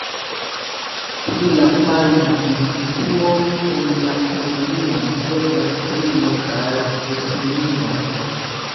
Pri la fajna distribuo en la komunumo zorgas tri lokaj buslinioj.